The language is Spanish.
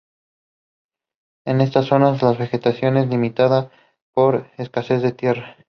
En estas zonas la vegetación es limitada, por escasez de tierra.